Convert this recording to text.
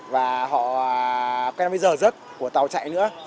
và họ quen bây giờ giấc của tàu chạy nữa